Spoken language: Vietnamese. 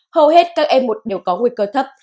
hầu hết các em một đều có nguy cơ thấp